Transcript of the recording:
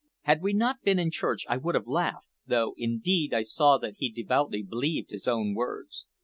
Had we not been in church I would have laughed, though indeed I saw that he devoutly believed his own words.